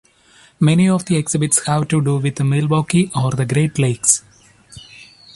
Many of the exhibits have to do with Milwaukee or the Great Lakes.